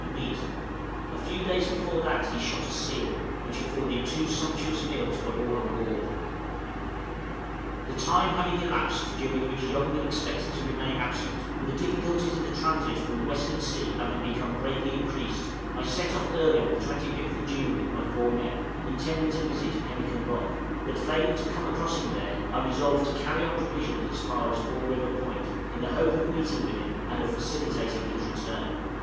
of meat; a few days before that he shot a seal, which afforded two sumptuous meals for all on board. {TREATMENT OF DOGS.} The time having elapsed during which Young expected to remain absent, and the difficulties of the transit from the western sea having become greatly increased, I set off early on the 25th June with my four men, intending to visit Pemmican Rock; but failing to come across him there, I resolved to carry on provisions as far as Four River Point, in the hope of meeting with him, and of facilitating his return.